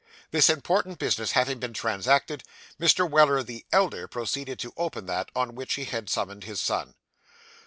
This important business having been transacted, Mr. Weller the elder proceeded to open that, on which he had summoned his son.